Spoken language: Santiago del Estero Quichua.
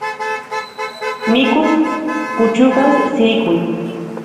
mikus puchukas sirikuy